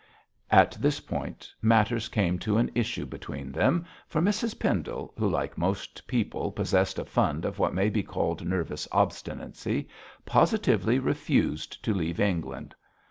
At this point matters came to an issue between them, for Mrs Pendle, who like most people possessed a fund of what may be called nervous obstinacy, positively refused to leave England.